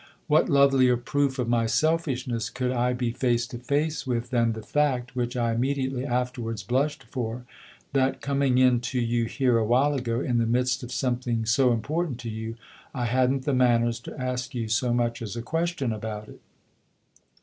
What lovelier proof of my selfishness could THE OTHER HOUSE 79 I be face to face with than the fact which I imme diately afterwards blushed for that, coming in to you here a while ago, in the midst of something so important to you, I hadn't the manners to ask you so much as a question about it